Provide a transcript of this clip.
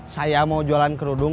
saya mau jualan kerudung